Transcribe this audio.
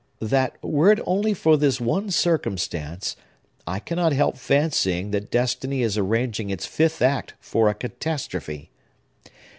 —that, were it only for this one circumstance, I cannot help fancying that Destiny is arranging its fifth act for a catastrophe."